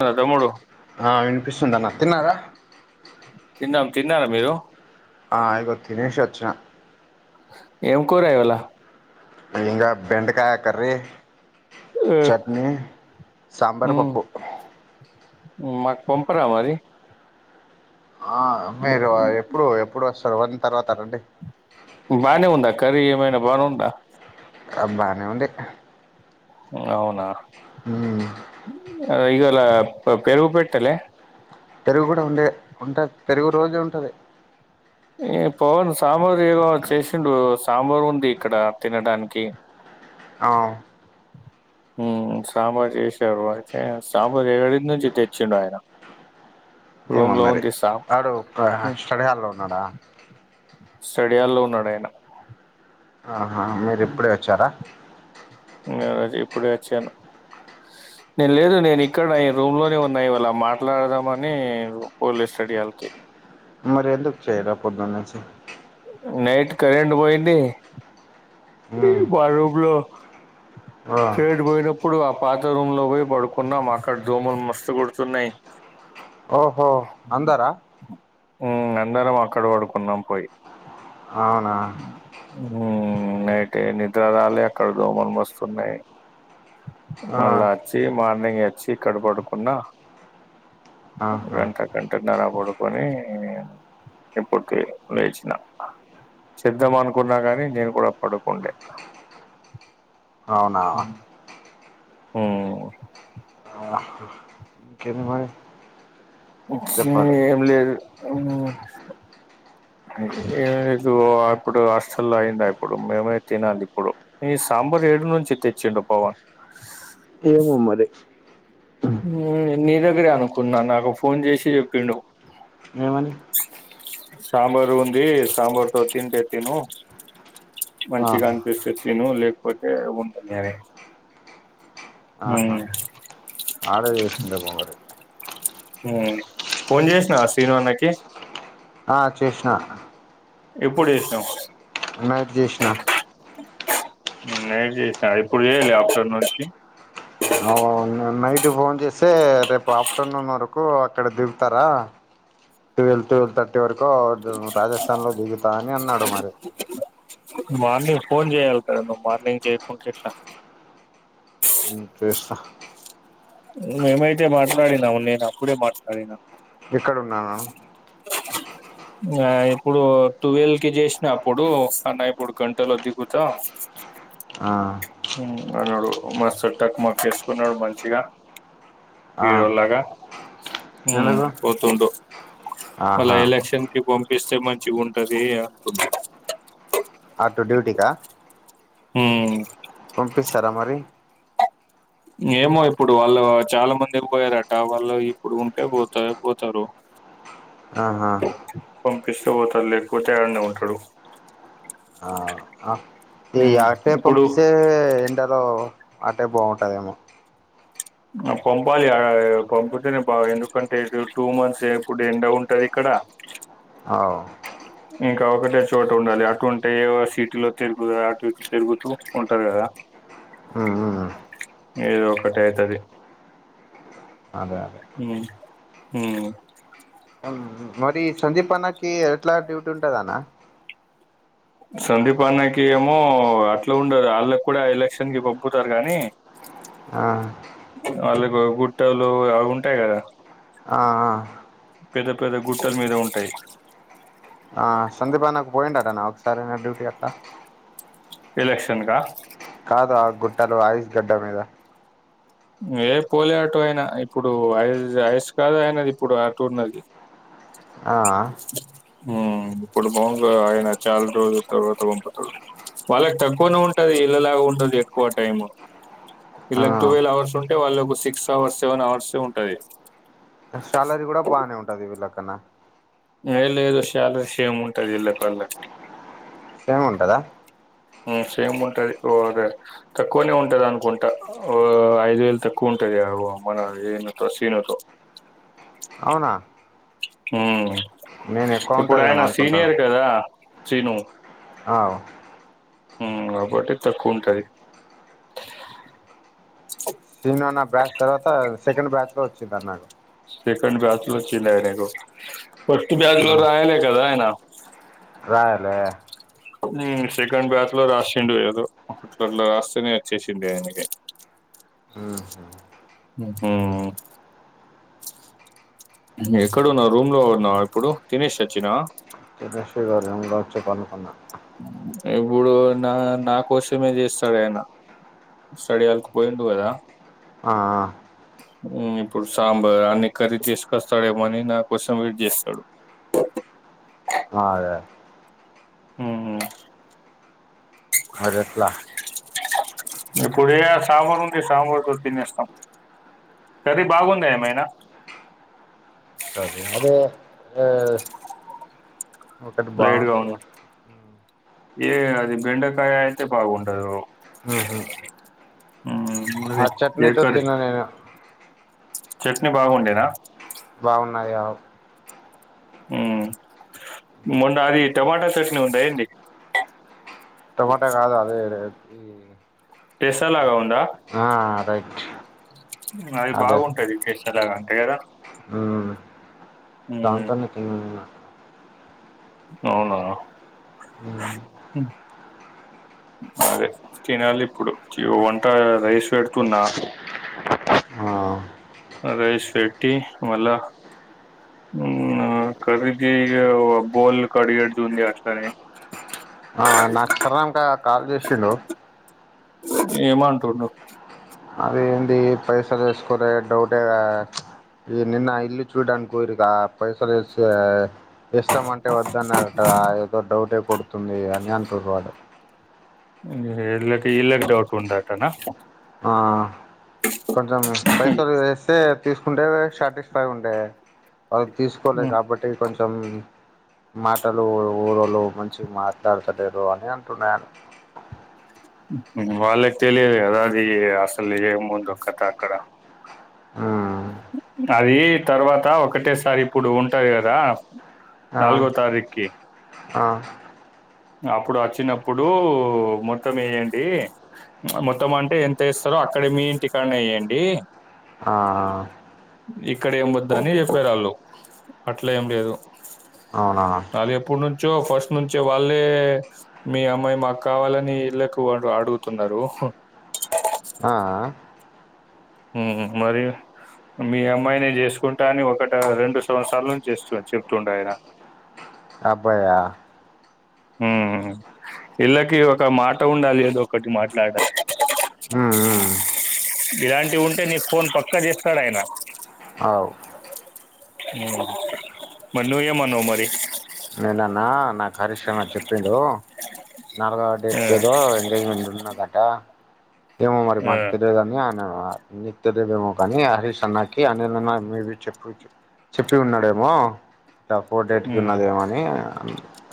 Hello తమ్ముడు ఆ వినిపిస్తుందా న తిన్నారా తిన్నాం తిన్నారా మీరు ఆ ఇగొ తిన్నేసి వచ్చిన ఎం కూర ఇవ్వాళ ఇంగా బెండకాయకర్రీ చట్నీ సంబార్ ఉమ్ పప్పు మాకు పంపరా మరి ఆ మీరు ఎప్పుడు ఎప్పుడు వస్తారు వన్ తర్వాత రండి బాగానే ఉందా కరీ ఏమైనా బానే ఉందా అ బ్బానే ఉంది అవునా ఉమ్ ఆ ఇగాలా పెరుగు పెట్టాలె పెరుగు గుడా ఉందే ఉంటది పెరుగు రోజు ఉంటాది. ఉ పవన్ సాంబార్ ఏదో చేసిండు సాంబార్ ఉంది ఇక్కడ తినడానికి ఆవు ఉమ్ సాంబార్ చేసాడు అయితే సాంబార్ ఏడ నుంచి తెచ్చిండు ఆయన ఏమ రూమ్ లో మరి ఉంది సాం ఆడు స్టడీ హాల్లో ఉన్నాడా స్టడీ హాల్లో ఉన్నాడు ఆయన ఆహా మీరు ఇప్పుడే వచ్చారా [unintelligible] ఇప్పుడే వచ్చాను నేను లేదు నేను ఇక్కడ ఈ రూమ్ లోనే ఉన్నాయి ఇవాళ మాట్లాడదామని పోలిసు స్టడీ హాల్క్ మరి ఎందుకు చేయాలా పొదునుంచి. నైట్ కరెంటు పోయిద్ది మా రూమ్ లో ఆ ఇప్పుడు ఆ పాత రూమ్ లో పోయి పడుకున్నాం అక్కడ దోమలు మస్తు కుడుతున్నాయి. ఓహో అందరా ఉమ్ అందరం అక్కడ పడుకున్నాం పోయి అవునా ఉమ్ నైట్ ఏ నిద్ర రాలె అక్కడ దోమలు మస్తున్నాయి. ఆ, మళ్ళా వచ్చి మార్నింగ్ వచ్చి ఇక్కడ పడుకున్నా ఆహా గంట గంటన్నర పడు కొని ఇపొద్దె లేచినాం చేద్దాం అనుకున్నా గాని నేను కూడా పడుకుండే అవునా ఉమ్ ఇంకేమి ఏమి లేదు ఏమి ఇ ఇప్పుడు హాస్టల్ లో అయిందా అప్పుడు మేమే తినాలి ఇప్పుడు ఈ సాంబార్ ఏడి నుంచి తెచ్చిండు పవన్ ఏమో మరి నీ దగ్గరే అనుకున్నా నాకు ఫోన్ చేసి చెప్పిండు ఏమని సాంబారు ఉంది సాంబార్తో తింటే తిను మంచిగా ఆహా అనిపిస్తది తిను లేకపోతే ఉంటుంది అదే ఆడే చేసుకుంటే బాగోదు ఫోన్ చేసినవా శ్రీనుఅన్నకి ఆ చేసిన ఎప్పుడు చేసినవ్ నైట్ జేసినా నైట్ చేసినవ్ ఇప్పుడు చేయాలా ఆఫ్టర్ నుంచి అవో నేను నైట్ నైట్ ఫోన్ చేస్తే రేపు ఆఫ్టర్నూన్ వరకు అక్కడ దిగుతారా టువల్ టువల్ థర్టీ వరకు రాజస్థాన్ లో దిగుతా అని అన్నాడు మరి మార్నింగ్ ఫోన్ చేయాలి కదా నువ్వు మార్నింగ్ చేయకుంటే ఎట్లా ఉమ్ చూస్తా మేమైతే మాట్లాడినాము నేను అప్పుడే మాట్లాడి నా ఇక్కడ ఉన్నా మే ఆ ఇప్పుడు టువెల్వ్ కి చేసిన అప్పుడు అన్న ఇప్పుడు గంటలో దిగుతా ఆ న్నాడు మా టక్ మాకు వసుకున్నాడు మనషిగా ఆ ఇరుళగా ఎందుకు ఉ తుంటడు మళ్ళ ఆహా ఎలక్షన్ కి పంపిస్తే మంచి ఉంటది అంటున్నా ఆటో డ్యూటీ కా ఉమ్ పంపిస్తారా మరి ఏమో ఇప్పుడు వాళ్ళు చాలా మంది పోయారట వాళ్ళు ఇప్పుడు ఉంటే పోతె పోతారు ఆహా పంపిస్తే పోతారు లేకపోతే ఎడనే ఉంటాడు ఆ ఆ ఈ హ్మ్ ఆటే ఇప్పుడు పంపిస్తే ఎంటార ఆటే బాగుంటుందేమో పంపాలి పంపితేనే బా ఎందుకంటే ఇ టూ మంత్స్ ఎప్పుడు ఎండ ఉంటది ఇక్కడ అ అవ్ ఇంకా ఒకటే చోట ఉండాలి లేకుంటే ఈ సిటీలో తిరుగుద అటు ఇటు తిరుగుతూ ఉంటారు కదా హహా ఏదో ఒకటే అయితది అదే అదే హు హు మరి సందీప్ అన్నకి ఎట్లా డ్యూటీ ఉంటద అన్న సందీప్ అన్నకి ఏమో అట్లా ఉండదు వాళ్ళకి కూడా ఎలక్షన్ కి పంపుతారు కానీ ఆ వాళ్ళకు గుట్టలు అవి ఉంటాయి కదా ఆ ఆ పెద్ద పెద్ద గుట్టలు మీద ఉంటాయి ఆ సందీపాన్న పోయింటటన్న ఒకసారినా డ్యూటీ అట్లా ఎలక్షన్ కా కాదు ఆ గుట్టలు ఐయిస్ గడ్డ మీద ఏ పోలే ఆటో అయినా ఇప్పుడు ఐ ఐస్ కాదు అయినది ఇప్పుడు ఆ టూర్ నది ఆ ఉ ఇప్పుడు బాగుంది కదా ఆయన చాలా రోజుల తర్వాత పంపుతాడు వాళ్ళకి తక్కువనే ఉంటది ఇళ్లలాగా ఉంటది ఎక్కువ టైం ఆ ఇళ్లాకు టువెల్వ్ అవర్స్ ఉంటే వాళ్ళ ఒక సిక్స్ అవర్స్ సెవెన్ అవర్స్ ఉంటది శాలరీ కూడా బాగానే ఉంటది వీళ్ళక్కన్నా ఏ లేదో శాలారీస్ ఉంటది ఇళ్ళ పల్లకి సేమ్ ఉంటదా సేమ్ ఉంటది ఓ దే తక్కువనే ఉంటది అనుకుంటా ఓ ఐదు వేలు తక్కువ ఉంటది ఏ అగొ మాన ఏ అవునా హు నేను ఎక్కువ ఇప్పుడు ఆయన ఉంటదేమో అనుకుంటాను సీనియర్ కదా సిను అవు ఉమ్ కాబట్టి తక్కువ ఉంటది సీన్ నా బ్యాచ్ తర్వాత సెకండ్ బ్యాచ్ లో వచ్చింద అన్నాడు సెకండ్ బ్యాచ్ లో వచ్చిండు అయినేదో ఫస్ట్ బ్యాచ్ లో అయినే కదా అయనా రాయాలే సెకండ్ బ్యాచ్ లో రాసిండు ఏదో అట్లా అట్లా రాస్తేనే వచ్చేసి ఆయనకి అ ఉ హు ఎక్కడువ్ రూమ్ లో ఉన్నా ఇప్పుడు తినేష్ వచ్చినా లేదుపడుకున్న ఇప్పుడు నా నా కోసమే చేస్తాడు ఆయన స్టడీ హాల్ కు పోయిండు కదా ఆ ఆ మ్మ్ ఇప్పుడు సాంబార్ అన్ని కర్రీ తీసుకొస్తాడేమోని నాకోసం వేయిట్ చేస్తాడు ఆ అదే హ్మ్ హు మరి ఎట్లా ఇప్పుడు ఏ సాంబార్ ఉంటె సాంబార్తో తినేస్తాం కర్రి బాగుంద ఎమైనా అదే అదే ఎ ఒకటి లైట్ గా బాగుంటదా ఉంది ఏ అది బెండకాయ అయితే బాగుండదు హ్మ్ హు మ్మ్ ఆ అది చట్నీ ఏ తో కర్రీ తిన్న లేను చట్నీ బాగుండేనా నాది ఆవ్ మ్మ్ మొన్న అది టమాటా చట్నీ ఉందా ఏంది టమాటా కాదు అదే దేది టెసల్లగా ఉందా రైట్ అది బాగుంటది టెశలాగా అంటే కదా మ్మ్ ఉమ్ దాంతోనే తిన్నా అవునా మ్ మ్మ్ అదే తినాలి ఇప్పుడు ఇప్ వంట రైస్ పెడుతున్నా ఆ అ రైస్ పెట్టి మళ్ళ మ్మ్ కర్రీకి బోల్ కడిగేటిదుంది అట్లనే ఆ నాక్ సరంగా కాల్ చేసిండు ఏమంటుండూ అదేంటి పైసలేసుకోలే డౌటే కదా ఈ నిన్న ఇల్లు చూడడానికి పొయ్యిరు గా పైసలు ఏసె ఎస్సాం అంటే వద్దన్నారట ఏదో డౌటే కొడుతుంది అని అంటుండు వాడు మ్మ్ ఇళ్ళకి ఈల్లకి డౌట్ ఉందటనా ఆ కొంచెం పైసలు వేస్తే తీసుకుంటే షార్టేజ్ ఫై ఉండే వాళ్ళు తీసుకోలే ఉమ్, కాబట్టి కొంచెం మాటలు ఊరోళ్ళు మంచిగ మాట్లాడతలేరు అని అంటుండు ఆయన వాళ్ళకి తెలియదు గదా అది అసలు ఏముందో కత అక్కడ మ్మ్ అది తర్వాత ఒకటేసారి ఇప్పుడు ఉంటది కదా ఆ నాల్గో తారీఖీ ఆ అప్పుడు అచ్చినప్పుడు మొత్తం ఎయ్యండి మొత్తం అంటే ఎంత ఎస్తరు అక్కడే మీ ఇంటి కాడ్నే ఎయండి ఆ ఇక్కడ ఏం వద్దని చెప్పారాళ్ళు అట్లెం లేదు అవునా చో ఫస్ట్ నుంచే వాళ్ ఏ మీ అమ్మాయి మాకావాలని ఇళ్ళకు అట్ల అడుగుతున్నరు ఆ ఆ ఉహు మరి మీ అమ్మాయినే చేసుకుంటా అని ఒకటా రెండు సంవత్సరాల నుంచి చేస్తు చెప్తుండే ఆయన అబ్బాయా మ్ ఈళ్ళకి ఒక మాట ఉండాలి ఏదో ఒకటి మాట్లాడాలి హ్మ్మ్ ఇలాంటివుంటే నీకు ఫోన్ పక్కా చేస్తాడాయన అవు మ్ మరి నువ్వు ఏమన్నావ్ మరి నేనన్నా నాకు హరీష్ అన్న చెప్పిండు నాలుగో ఆ! డేట్ కి ఏదో ఎంగేజ్మెంట్ ఉన్నాదట్టా ఏమో మరి ఆ! మాకు తెలియదని అన్న నీకు తెలియదేమో కానీ హరీష్ అన్నా కి అన్నినన్నా మేబీ చెప్పి చెప్పి ఉన్నాడేమో ఇటా ఫోర్ డేట్కి హ్మ్. ఉన్నాదేమో అని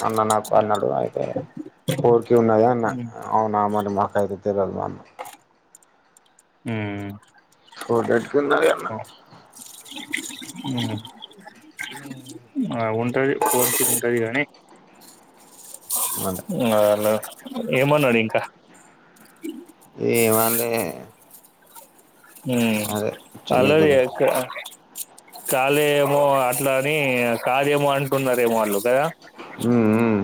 అన్న నాకు అన్నాడు అయితే ఫోరికి ఉన్నద అన్న హ్మ్. అవునా మరి మాకైతే తెలియదు అన్న హ్మ్మ్ ఫోటో ఎడుకింద అన్న ఆ ఉంట ఉంటది పోన్ ఉంటది కాగానీ అంట అ ఏమన్నాడు ఇంకా ఏమనాలే హ్మ్మ్ చిన్ని అల్లాయ్ అక్క గురించి కాళే ఏమో అట్లా అని కాదేమో అంటున్నారేమో వాళ్ళు కదా హ్మ్మ హ్మ్మ్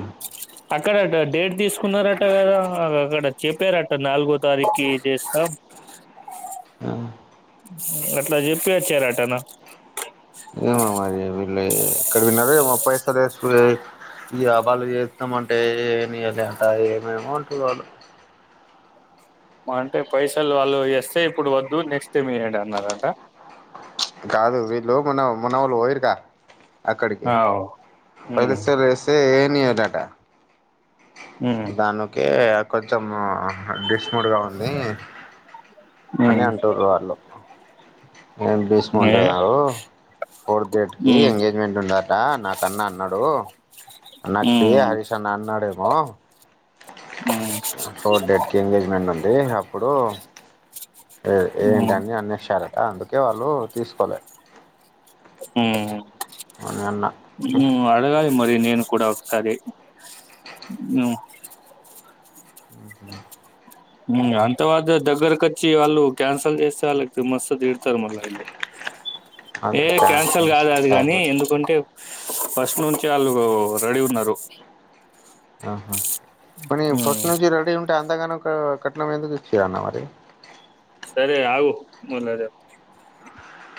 అక్కడట డేట్ తీసుకున్నారట కదా అక్కడ చెప్పారట నాలుగో తారీఖకి చేస్తాం ఆ అట్లా చెప్పి వచ్చారటన ఏమ మరి వీళ్ళు ఎక్కడ విన్నారోమో మా పైసాల స ఈబళ్ళు చేస్తామ అంటే ఏమి లేట ఏమేమో అంటుంది వాళ్ళు మా అంటే పైసలు వాళ్ళు చేస్తే ఇప్పుడు వద్దు నెక్స్ట్ టైమ్ ఏయ్యండి అన్నారంట కాదు వీళ్ళు మున మన వాళ్ళు పోయరుగా అక్కడికి అవ్ ఉమ్ పైసలు యిస్తే ఏయ్యానియ్యాడట ఉమ్ దనుక కొంచెం డిస్ మోడ్గా ఉంది అని ఉమ్ అంటుారు వాళ్ళు ఏం ఏ బీస్మంటేన్నారుారు ఫోర్త్ డేట్ కి ఉమ్ ఎంగేజ్మెంట్ ఉండదట నాకన్నా అన్నాడు అన్నాకి ఉమ్ హరీష్ అన్న అన్నాడేమో ఉమ్ ఫోర్త్ డేట్ కి ఎంగేజ్మెంట్ ఉంది అప్పుడు ఉమ్ ఏంటన్నిీ అన్నస్తారట అందుకే వాళ్ళు తీసుకోలే హ్మ్మ్ అని అన్న నువు అడగాలి మరి నేను కూడా ఒకసారి నువ్ అంత వా దగ్గరక వచ్చి వాళ్ళు క్యాన్సల్ చేస్తే వాళ్ళకి మస్త్ దిద్ ారు మళ్ళా ఇల్లు ఏ క్యాన్సల్ కాదు అది కానీ ఎందుకంటే ఫస్ట్ నుంచి వాళ్ళు రెడీ ఉన్నారు ఆహా ప మరి ఉమ్ ఫస్ట్ నుంచి రెడీ గా ఉంటే అంతగానం ఆ కట్నం ఎందుకు ఇచ్చి మరి సరే అగు మల్ల చేస్తా